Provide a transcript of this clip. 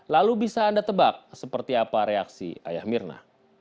lalu bisa anda tebak seperti apa reaksi ayah mirna